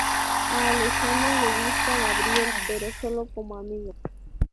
A Alejandra le gusta Gabriel pero solo como amigo.